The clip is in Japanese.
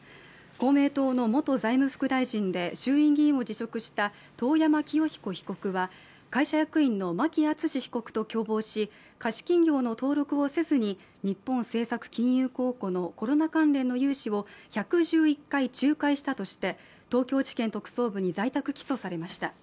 公明党の元財務副大臣で衆院議員を辞職した遠山清彦被告は、会社役員の牧厚被告と共謀し、貸金業の登録をせずに日本政策金融公庫のコロナ関連の融資を１１１回仲介したとして東京地検特捜部に在宅起訴されました。